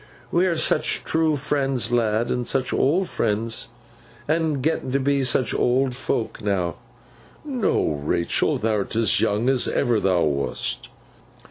'We are such true friends, lad, and such old friends, and getting to be such old folk, now.' 'No, Rachael, thou'rt as young as ever thou wast.